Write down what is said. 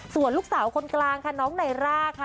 ส่วนลูกสาวคนกลางค่ะน้องไนร่าค่ะ